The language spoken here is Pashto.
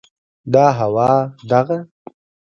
دا هوا، دغه